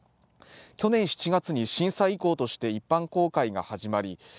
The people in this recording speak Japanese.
去年７月に震災遺構として一般公開が始まり